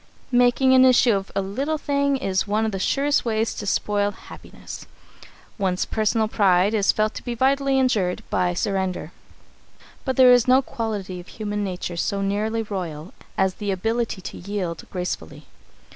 Making an issue of a little thing is one of the surest ways to spoil happiness. One's personal pride is felt to be vitally injured by surrender, but there is no quality of human nature so nearly royal as the ability to yield gracefully.